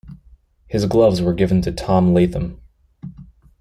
His gloves were given to Tom Latham.